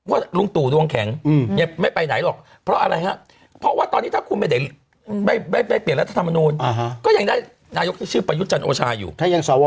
ว่าลุงตู่รวงแข็งไม่ไปไหนหรอก